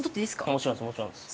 もちろんです、もちろんです。